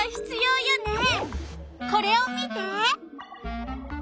これを見て。